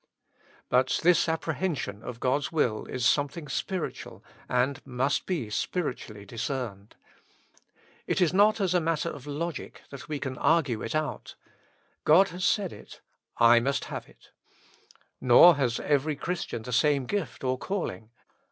But this apprehension of God's will is something spiritual, and must be spiritually discerned. It is not as a matter of logic that we can argue it out : God has said it ; I must have it. Nor has every Christian the same gift or calling.